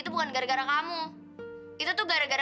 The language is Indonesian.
pas lebih lisir